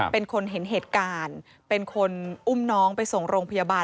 เป็นคนเห็นเหตุการณ์เป็นคนอุ้มน้องไปส่งโรงพยาบาล